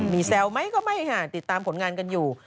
มีแซวไหมก็ไม่ค่ะติดตามผลงานกันอยู่